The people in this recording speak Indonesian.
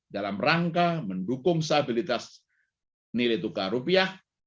dalam rangka mendukung stabilitas nilai tukar rupiah